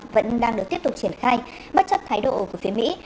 vẫn đang được tiếp tục triển khai bất chấp thái độ của phía mỹ